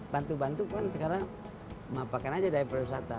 bantu bantukan sekarang maafkan saja dari perwisata